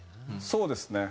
そうですね。